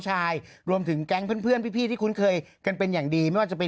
ชายรวมถึงแก๊งเพื่อนพี่ที่คุ้นเคยกันเป็นอย่างดีไม่ว่าจะเป็น